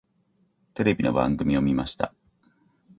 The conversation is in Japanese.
テレビの番組を見ました。